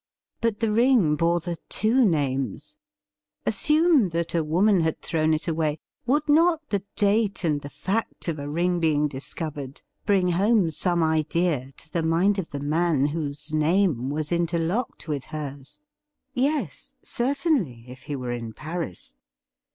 But the ring bore the two names — assume that a woman had thrown it away, would not the date and the fact of a ring being discovered bring home some idea to the mind of the man whose name was interlocked with hers ? Yes, certainly, if he were in Paris.